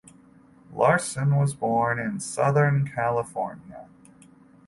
Larson was born in Southern California.